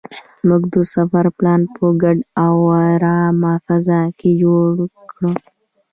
موږ د سفر پلان په ګډه او ارامه فضا کې جوړ کړ.